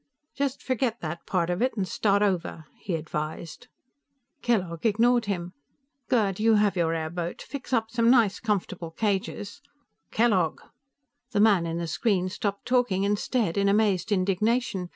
"Just forget that part of it and start over," he advised. Kellogg ignored him. "Gerd, you have your airboat; fix up some nice comfortable cages " "Kellogg!" The man in the screen stopped talking and stared in amazed indignation.